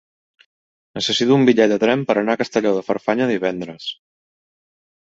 Necessito un bitllet de tren per anar a Castelló de Farfanya divendres.